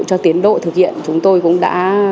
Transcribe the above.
cho tiến độ thực hiện chúng tôi cũng đã